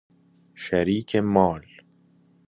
شریک مال